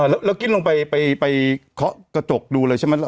แล้วกินลงไปเคาะกระจกดูเลยใช่ไหม